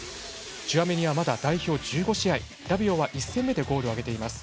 チュアメニはまだ代表１５試合ラビオは１戦目でゴールを挙げています。